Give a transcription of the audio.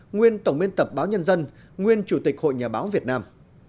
nguyên tổng biên tập báo nhân dân nguyên chủ tịch hội nhà báo việt nam